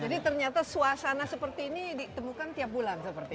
jadi ternyata suasana seperti ini ditemukan tiap bulan seperti ini